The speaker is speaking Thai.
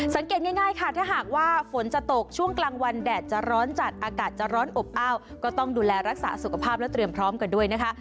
สังเกตง่ายค่ะถ้าหากว่าฝนจะตกช่วงกลางวันแดดจะร้อนจัดอากาศจะร้อนอบอ้าวก็ต้องดูแลรักษาสุขภาพและเตรียมพร้อมกันด้วยนะคะ